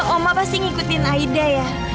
oma pasti ngikutin aida ya